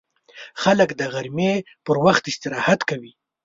خلک د غرمې پر وخت استراحت کوي